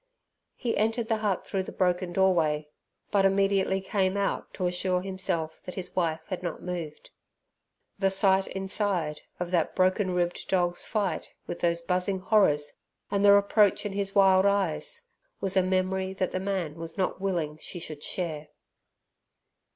He entered the hut through the broken doorway, but immediately came out to assure himself that his wife had not moved. The sight inside of that broken ribbed dog's fight with those buzzing horrors, and the reproach in his wild eyes, was a memory that the man was not willing she should share.